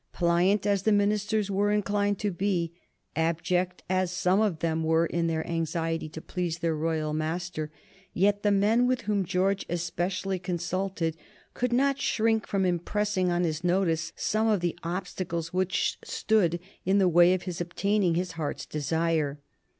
Pliant as the ministers were, inclined to be abject as some of them were in their anxiety to please their royal master, yet the men with whom George especially consulted could not shrink from impressing on his notice some of the obstacles which stood in the way of his obtaining his heart's desire.